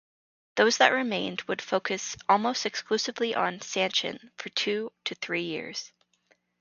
Those that remained would focus almost exclusively on "sanchin" for two to three years.